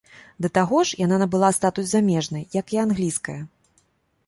Да таго ж яна набыла статус замежнай, як і англійская.